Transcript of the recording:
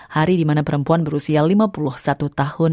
hari di mana perempuan berusia lima puluh satu tahun